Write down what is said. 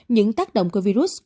những tác động của virus